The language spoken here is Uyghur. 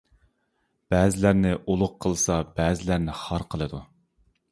بەزىلەرنى ئۇلۇغ قىلسا بەزىلەرنى خار قىلىدۇ.